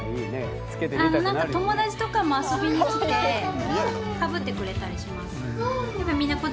友達とかも遊びに来てかぶってくれたりします。